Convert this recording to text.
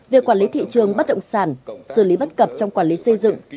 về quản lý thị trường bất động sản xử lý bất cập trong quản lý xây dựng